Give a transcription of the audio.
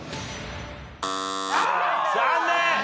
残念！